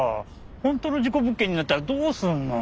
本当の事故物件になったらどうすんの？